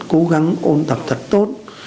cố gắng ôn tập thật tốt